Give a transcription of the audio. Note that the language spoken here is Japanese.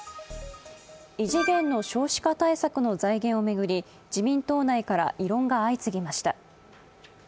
異次元の少子化対策の財源を巡り自民党内から異論が相次ぎました。